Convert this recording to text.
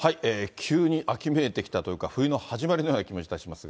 急に秋めいてきたというか、冬の始まりのような気もいたしますが。